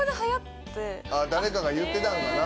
誰かが言ってたんかな？